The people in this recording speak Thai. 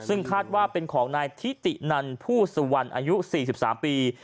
ซึ่งคาดว่าเป็นของนายทิตินันผู้สุวรรณอายุ๔๓ปี